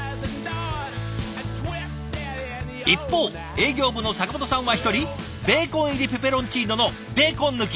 一方営業部の阪本さんは１人ベーコン入りペペロンチーノのベーコン抜き。